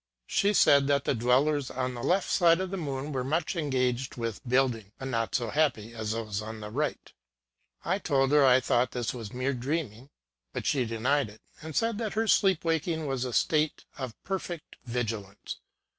She said that the dwellers on the left side of the moon were much engaged with build ing, and not so happy as those on the right. I told her I thought this was mere dreaming ; but she de nied it, and said that her sleep waking was a state of perfect vigilance.